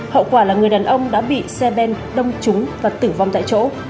hậu quả là người đàn ông đã bị xe ben đông trúng và tử vong tại chỗ